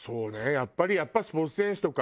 やっぱりスポーツ選手とか。